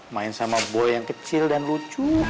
main sama buaya yang kecil dan lucu